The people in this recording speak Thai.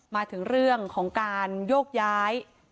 มาถึงเรื่องของการโยกย้าย